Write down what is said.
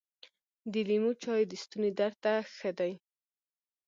د لیمو چای د ستوني درد ته ښه دي .